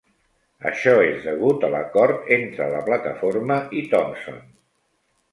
Això és degut a l'acord entre la plataforma i Thompson.